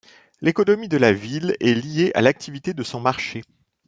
L'économie de la ville est liée à l'activité de son marché.